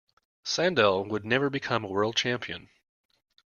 Sandel would never become a world champion.